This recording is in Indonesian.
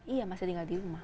iya masih tinggal di rumah